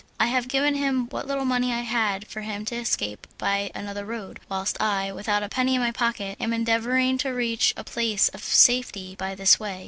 "I have given him what little money I had for him to escape by another road, whilst I, without a penny in my pocket, am endeavouring to reach a place of safety by this way.